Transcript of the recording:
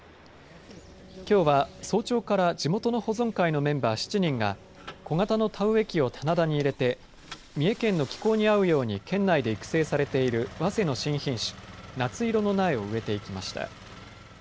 きょうは早朝から地元の保存会のメンバー７人が小型の田植え機を棚田に入れて三重県の気候に合うように県内で育成されているわせの新品種、なついろの苗を植えていきました。